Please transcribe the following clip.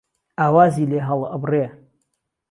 ئاوازی لێ هەڵ ئەبڕێ